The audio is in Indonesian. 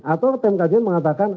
atau tim kajian mengatakan